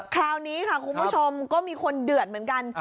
คราวนี้ค่ะคุณผู้ชมก็มีคนเดือดเหมือนกัน